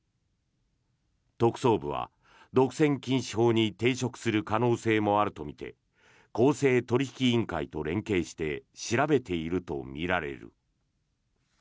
特捜部は独占禁止法に抵触する可能性もあるとみて公正取引委員会と連携して調べているとみられる。